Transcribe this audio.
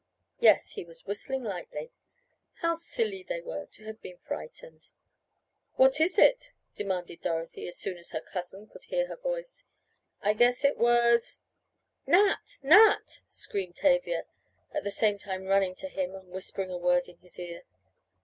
Yes, he was whistling lightly. How silly they were to have been frightened! "What is it?" demanded Dorothy, as soon as her cousin could hear her voice. "I guess it was " "Nat! Nat!" screamed Tavia, at the same time running to him and whispering a word in his ear.